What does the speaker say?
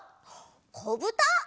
こぶた！